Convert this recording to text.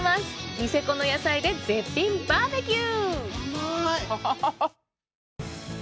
ニセコの野菜で絶品バーベキュー！